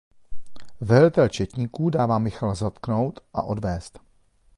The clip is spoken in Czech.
Velitel četníků dává Michala zatknout a odvést.